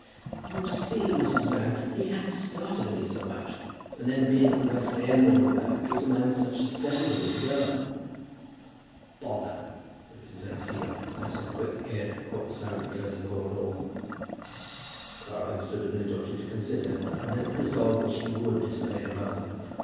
"You see, Mrs. Van, he had the start of me so much. And then being at the West End, and all that, gives a man such a standing with a girl!" "Bother!" said Mrs. Van Siever, as her quick ear caught the sound of the closing hall door. Clara had stood a minute or two to consider, and then had resolved that she would disobey her mother.